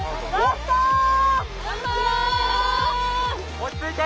落ち着いて！